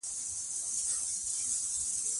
کلیمه د جملې برخه ده.